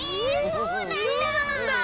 そうなんだ！